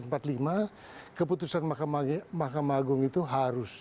keputusan mahkamah agung itu harus